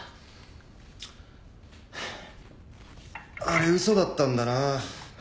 あれ嘘だったんだな。